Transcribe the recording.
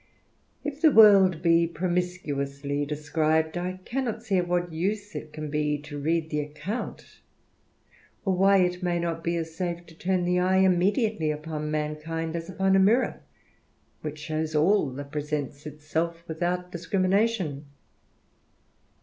If the world be promiscuously described, I cannot see of what use it can be to read the account : or why it may not be as safe to turn the eye immediately upon mankind as upon a minor which shows all that presents itself without discrimination.